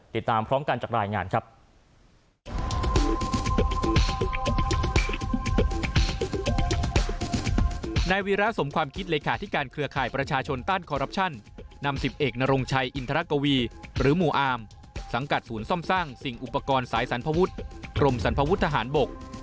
ติดตามพร้อมกันจากรายงานครับ